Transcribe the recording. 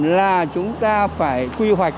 là chúng ta phải quy hoạch